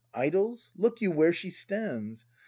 Idols! Look you where she stands!